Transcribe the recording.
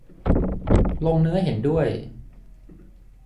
ลงเนื้อเห็นด้วย